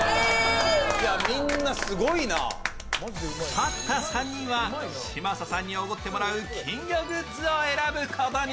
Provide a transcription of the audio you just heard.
勝った３人は嶋佐さんにおごってもらう金魚グッズを選ぶことに。